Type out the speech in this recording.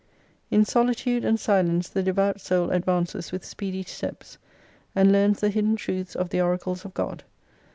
In solitude and silence the devout soul advances with speedy steps, and learns the hidden truths of the oracles of God.